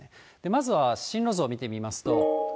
まずは進路図を見てみますと。